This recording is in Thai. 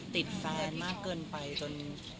ติดแฟนมากเกินไปจน